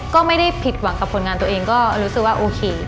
ก็ไม่ได้ผิดหวังกับผลงานตัวเองก็รู้สึกว่าโอเค